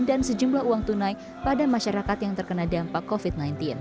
dan sejumlah uang tunai pada masyarakat yang terkena dampak covid sembilan belas